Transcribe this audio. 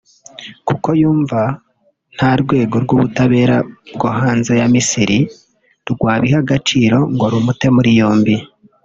kuko yumva nta rwego rw’ubutabera bwo hanze ya Misiri rwabiha agaciro ngo rumute muri yombi